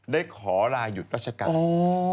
ได้ขอลายุดราชการ